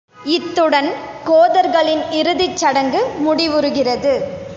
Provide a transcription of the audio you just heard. இத்துடன் கோதர்களின் இறுதிச்சடங்கு முடிவுறுகிறது.